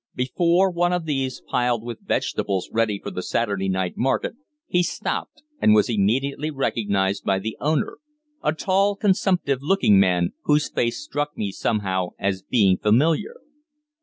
Before one of these, piled with vegetables ready for the Saturday night market, he stopped, and was immediately recognised by the owner a tall, consumptive looking man, whose face struck me somehow as being familiar.